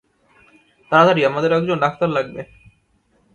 তাড়াতাড়ি, আমাদের একজন ডাক্তার লাগবে!